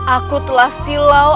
aku telah silau